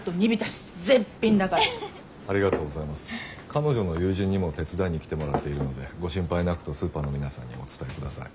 彼女の友人にも手伝いに来てもらっているのでご心配なくとスーパーの皆さんにお伝えください。